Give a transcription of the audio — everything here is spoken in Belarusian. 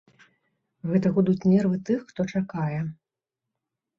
Гэта гудуць нервы тых, хто чакае.